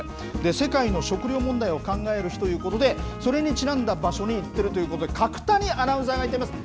世界の食料問題を考える日ということで、それにちなんだ場所に行ってるということで、角谷アナウンサーが行っています。